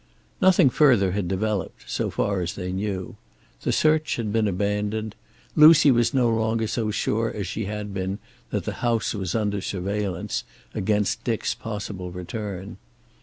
Nothing further had developed, so far as they knew. The search had been abandoned. Lucy was no longer so sure as she had been that the house was under surveillance, against Dick's possible return.